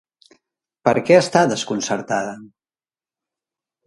Per què està desconcertada?